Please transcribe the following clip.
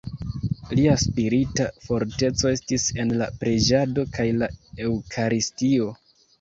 Lia spirita forteco estis en la preĝado kaj la eŭkaristio.